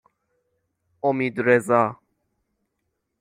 امیدرضا